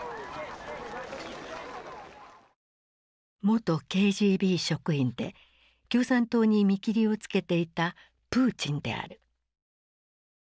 元ＫＧＢ職員で共産党に見切りをつけていたプーチンである。